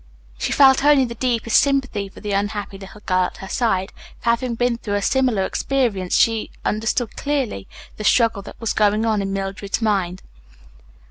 She felt only the deepest sympathy for the unhappy little girl at her side, for having been through a similar experience she understood clearly the struggle that was going on in Mildred's mind.